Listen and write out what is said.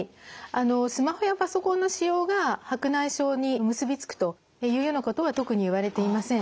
あのスマホやパソコンの使用が白内障に結び付くというようなことは特に言われていません。